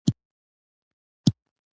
ګیلاس له شیشې جوړ شوی وي.